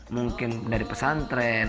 mungkin dari pesantren